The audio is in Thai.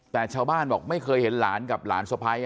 แต่ชาวบ้านบอกไม่เคยเห็นหลานกับหลานสะพ้าย